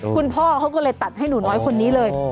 คุณพ่อเขาก็เลยตัดให้หนูน้อยคนนี้เลย